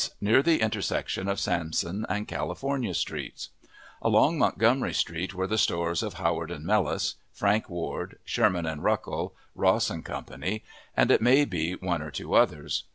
near the intersection of Sansome and California, Streets. Along Montgomery Street were the stores of Howard & Mellus, Frank Ward, Sherman & Ruckel, Ross & Co., and it may be one or two others.